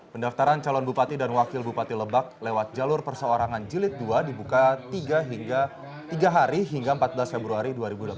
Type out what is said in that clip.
pendaftaran calon bupati dan wakil bupati lebak lewat jalur perseorangan jilid dua dibuka tiga hingga tiga hari hingga empat belas februari dua ribu delapan belas